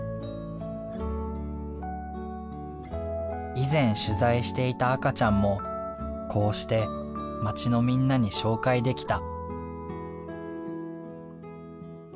以前取材していた赤ちゃんもこうして町のみんなに紹介できた。